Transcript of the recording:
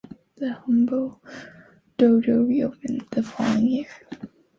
The Hombu dojo re-opened the following year.